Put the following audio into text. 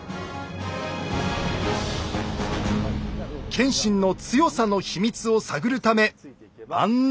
謙信の強さの秘密を探るため案内してくれたのが。